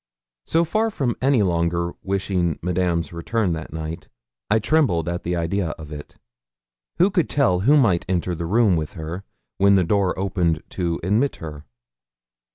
So far from any longer wishing Madame's return that night, I trembled at the idea of it. Who could tell who might enter the room with her when the door opened to admit her?